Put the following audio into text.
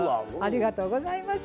ありがとうございます。